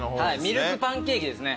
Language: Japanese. ミルクパンケーキですね。